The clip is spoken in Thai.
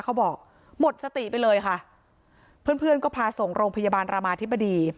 เขาบอกหมดสติไปเลยค่ะเพื่อนเพื่อนก็พาส่งโรงพยาบาลรามาธิบดี